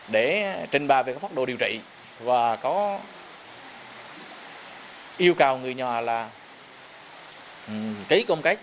để trình bà về các pháp đồ điều trị và có yêu cầu người nhà là ký công cách